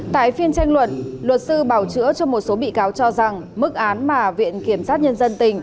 tại phiên tranh luận luật sư bảo chữa cho một số bị cáo cho rằng mức án mà viện kiểm sát nhân dân tỉnh